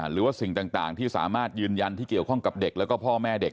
หรือว่าสิ่งต่างที่สามารถยืนยันที่เกี่ยวข้องกับเด็กแล้วก็พ่อแม่เด็ก